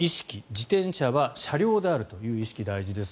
自転車は車両であるという意識大事です。